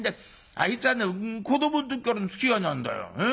あいつはね子どもの時からのつきあいなんだよ。